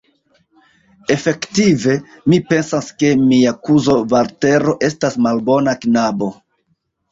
Efektive, mi pensas, ke mia kuzo Valtero estas malbona knabo.